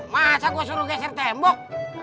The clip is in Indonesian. masa gue suruh geser tembok